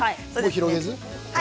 広げず？